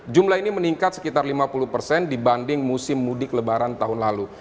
jumlah ini meningkat sekitar lima puluh persen dibanding musim mudik lebaran tahun lalu